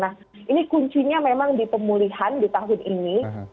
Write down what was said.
nah ini kuncinya memang di pemulihan di tahun ini